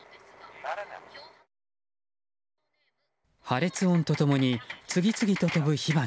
破裂音と共に次々と飛ぶ火花。